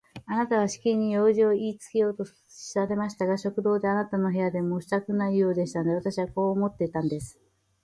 あなたはしきりに用事をいいつけようとされましたが、食堂でもあなたの部屋でもしたくないようでしたので、私はこう思ったんです。